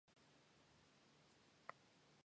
کله کله به پر کلي خړه دوړه راغله.